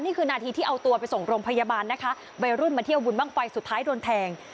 นี่คือนาทีที่เอาตัวไปส่งโรงพยาบาลนะคะวัยรุ่นมาเที่ยวบุญบ้างไฟสุดท้ายโดนแทง